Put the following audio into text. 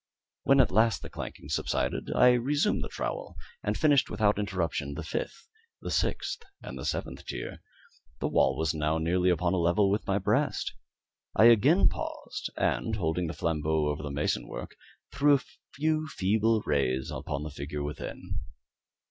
When at last the clanking subsided, I resumed the trowel, and finished without interruption the fifth, the sixth, and the seventh tier. The wall was now nearly upon a level with my breast. I again paused, and holding the flambeaux over the mason work, threw a few feeble rays upon the figure within.